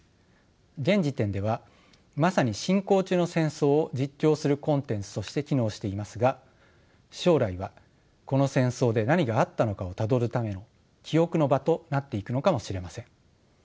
現時点ではまさに進行中の戦争を実況するコンテンツとして機能していますが将来はこの戦争で何があったのかをたどるための記憶の場となっていくのかもしれません。